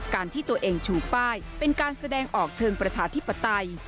การที่ตัวเองชูป้ายเป็นการแสดงออกเชิงประชาธิปไตย